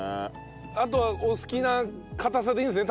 あとはお好きな硬さでいいんですね？